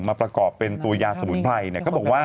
มาประกอบเป็นตัวยาสมุนไพร